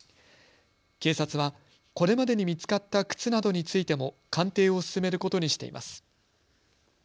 警察はこれまでに見つかった靴などについても鑑定を進めることにしています。